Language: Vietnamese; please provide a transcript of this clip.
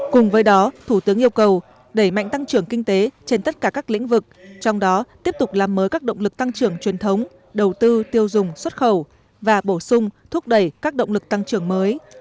cùng với đó thủ tướng yêu cầu đẩy mạnh tăng trưởng kinh tế trên tất cả các lĩnh vực trong đó tiếp tục làm mới các động lực tăng trưởng truyền thống đầu tư tiêu dùng xuất khẩu và bổ sung thúc đẩy các động lực tăng trưởng mới